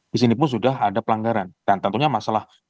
disinipun sudah ada pelanggaran dan tentunya masalah